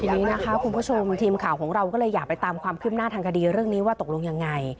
ทีนี้นะคะคุณผู้ชมทีมข่าวของเราก็เลยอยากไปตามความคืบหน้าทางคดีเรื่องนี้ว่าตกลงยังไง